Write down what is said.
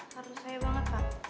harus saya banget pak